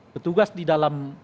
petugas di dalam